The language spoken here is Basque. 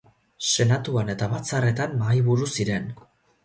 Senatuan eta batzarretan mahaiburu ziren.